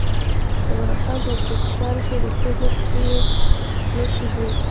د بدخشان په تیشکان کې د څه شي نښې دي؟